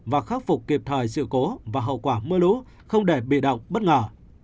và khắc phục kịp thời sự cố và hậu quả mưa lũ không để bị động bất ngờ